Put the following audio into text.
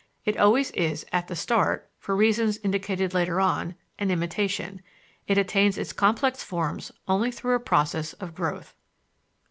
It always is, at the start (for reasons indicated later on), an imitation; it attains its complex forms only through a process of growth.